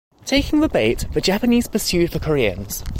Taking the bait, the Japanese pursued the Koreans.